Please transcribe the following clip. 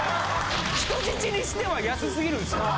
人質にしては安すぎるんですよ。